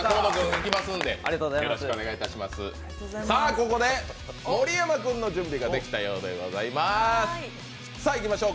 ここで盛山君の準備ができたようでございます。